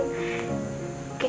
kiki boleh gak kalau